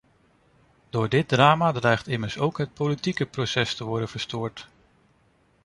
Door dit drama dreigt immers ook het politieke proces te worden verstoord.